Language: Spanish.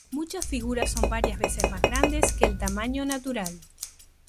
Muchas figuras son varias veces más grandes que el tamaño natural.